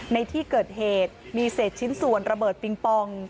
ในที่เกิดเหตุมีเศษชิ้นส่วนระเบิดปิงปอง